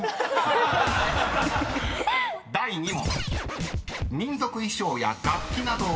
［第２問］